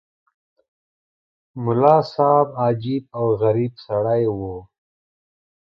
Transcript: ملا صاحب عجیب او غریب سړی وو.